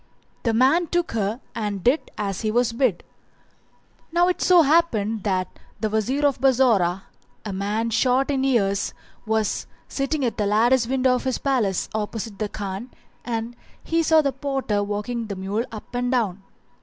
The man took her and did as he was bid. Now it so happened that the Wazir of Bassorah, a man shot in years, was sitting at the lattice window of his palace opposite the Khan and he saw the porter walking the mule up and down.